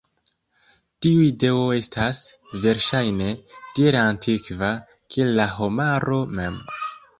Tiu ideo estas, verŝajne, tiel antikva, kiel la homaro mem.